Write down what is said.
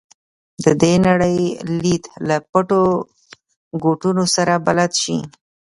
د دې نړۍ لید له پټو ګوټونو سره بلد شي.